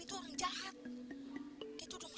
tapi itu dulu